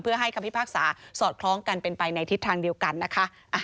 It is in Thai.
เพื่อให้คำพิพากษาสอดคล้องกันเป็นไปในทิศทางเดียวกันนะคะ